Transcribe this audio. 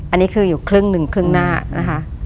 อันนี้คืออยู่ครึ่งหนึ่งครึ่งหน้านะคะ